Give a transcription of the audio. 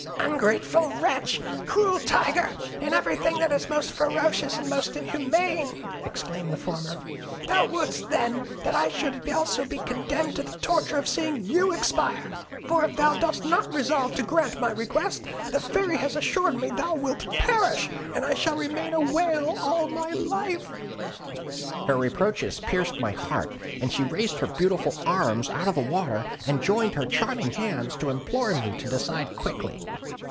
'Ungrateful wretch! cruel tiger! and everything that is most ferocious and most inhuman!' exclaimed the former. 'Thou wouldst, then, that I should also be condemned to the torture of seeing you expire? For if thou dost not resolve to grant my request, the Fairy has assured me thou wilt perish, and I shall remain a whale all my life!' "Her reproaches pierced my heart; she raised her beautiful arms out of the water, and joined her charming hands to implore me to decide quickly.